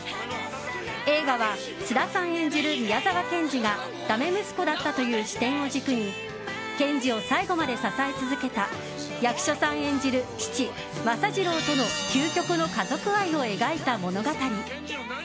映画は菅田さん演じる宮沢賢治がだめ息子だったという視点を軸に賢治を最後まで支え続けた役所さん演じる父・政次郎との究極の家族愛を描いた物語。